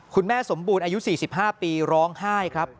คุณแม่สมบูรณ์อายุ๔๕ปีร้องไห้ครับ